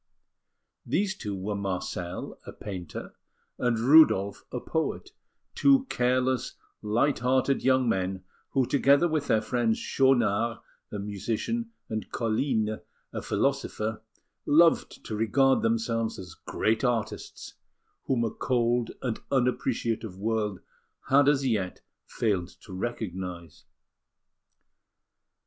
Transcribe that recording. These two were Marcel, a painter, and Rudolf, a poet; two careless, light hearted young men, who, together with their friends, Schaunard, a musician, and Colline, a philosopher, loved to regard themselves as great artists, whom a cold and unappreciative world had as yet failed to recognise.